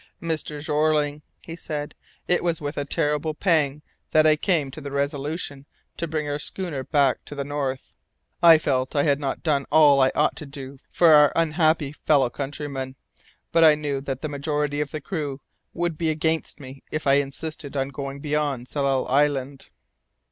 "Mr. Jeorling," he said, "it was with a terrible pang that I came to the resolution to bring our schooner back to the north! I felt I had not done all I ought to do for our unhappy fellow countrymen: but I knew that the majority of the crew would be against me if I insisted on going beyond Tsalal Island."